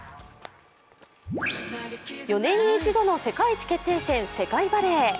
４年に一度の世界一決定戦世界バレー。